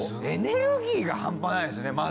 エネルギーが半端ないですね